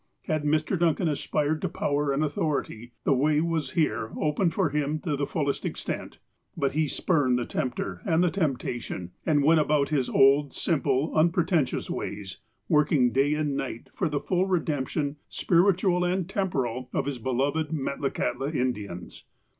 Had Mr. Duncan aspired to power and authority, the way was here opened for him to the fullest extent. But he spurned the tempter and the temptation, and went about his old, simj)le, unpretentious ways, working day and night for the full redemption, spiritual and tem poral, of his beloved Metlakahtla Indians.